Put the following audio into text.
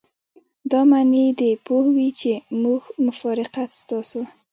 دا معنی دې پوه وي چې موږ مفارقت ستاسو.